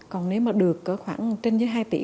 còn nếu mà được c khoảng trên dưới hai tỷ